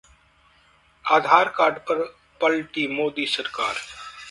आधार card पर पलटी मोदी सरकार